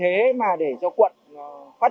đảm bảo an ninh an toàn